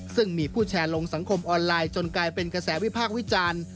ซึ่งมีผู้แชร์ลงสังคมออนไลน์จนกลายเป็นกระแสวิพากษ์วิจารณ์